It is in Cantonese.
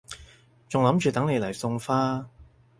仲諗住等你嚟送花